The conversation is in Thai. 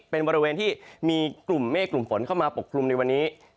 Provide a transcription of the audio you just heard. เป็นบริเวณที่มีกลุ่มเมฆกลุ่มฝนเข้ามาปกคลุมในวันนี้